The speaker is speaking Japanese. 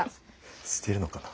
してるのかな。